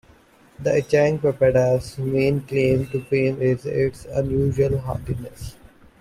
The Ichang papeda's main claim to fame is its unusual hardiness.